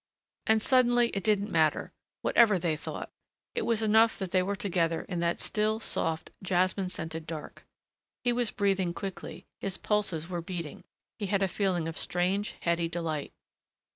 And suddenly it didn't matter whatever they thought. It was enough that they were together in that still, soft, jasmine scented dark. He was breathing quickly; his pulses were beating; he had a feeling of strange, heady delight.